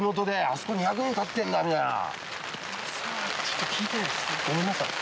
あそこ２００年たってんだみたいな。